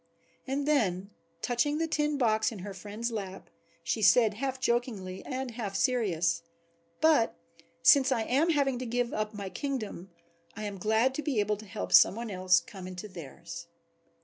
And then, touching the tin box in her friend's lap, she said half joking and half serious, "but since I am having to give up my kingdom I am glad to be able to help some one else to come into theirs."